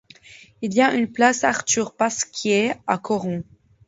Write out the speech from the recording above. Il y a une place Arthur-Pasquier à Coron.